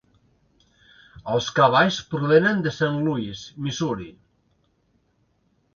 Els cavalls provenen de Saint Louis, Missouri.